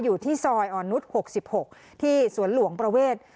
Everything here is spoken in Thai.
อยู่ที่ซอยอ่อนนุษย์๖๖ที่สวนหลวงประเวท